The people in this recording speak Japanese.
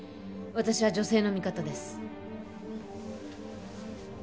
私は女性の味方です。